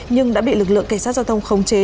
nhưng đã bị lực lượng cảnh sát giao thông khống chế